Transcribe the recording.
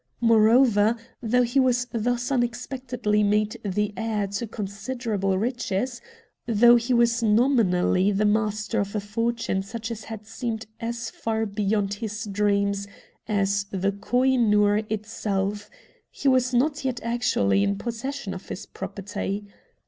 Moreover, though he was thus unexpectedly made the heir to considerable riches, though he was nominally the master of a fortune such as had seemed as far beyond his dreams as the Koh i Noor itself, he was not yet actually in possession of his property.